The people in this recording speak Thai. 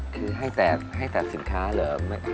คือให้แต่สินค้าหรือ